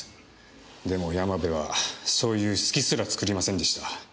でも山部はそういう隙すら作りませんでした。